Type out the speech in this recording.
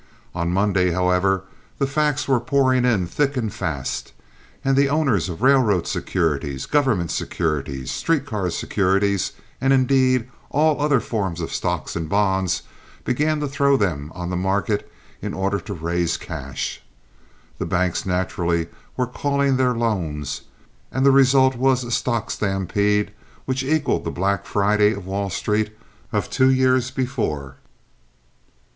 On Monday, however, the facts were pouring in thick and fast; and the owners of railroad securities, government securities, street car securities, and, indeed, all other forms of stocks and bonds, began to throw them on the market in order to raise cash. The banks naturally were calling their loans, and the result was a stock stampede which equaled the Black Friday of Wall Street of two years before.